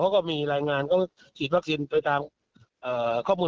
เขาก็มีรายงานก็ฉีดวัคซีนไปตามข้อมูล